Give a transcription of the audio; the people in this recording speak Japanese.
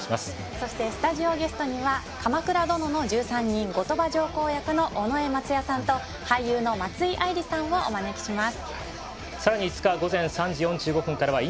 そしてスタジオゲストには「鎌倉殿の１３人」後鳥羽上皇役の尾上松也さんと俳優の松井愛莉さんをお招きします。